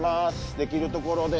できるところで。